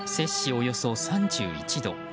およそ３１度。